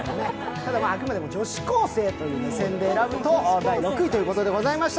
ただ、あくまでも女子高生という目線で選ぶと６位ということでございました。